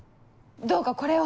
どうかこれを。